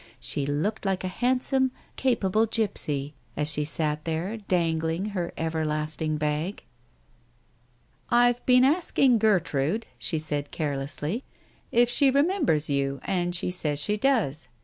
She looked like a handsome, capable gipsy, as she sat there, dangling her everlasting bag. ...••••••• "I've been asking Gertrude," she said carelessly, "if she remembers you, and she says she does.